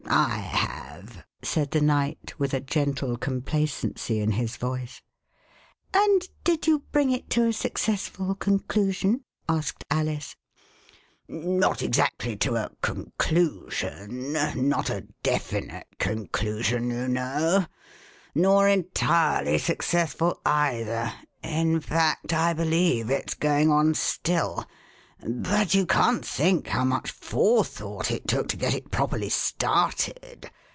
I have," said the Knight, with a gentle com placency in his voice. And did you bring it to a successful conclusion ?" asked Alice. Not exactly to a conclusion — not a definite con clusion, you know — nor entirely successful either. In fact, I believe it's going on still. ... But you can't think how much forethought it took to get it properly started.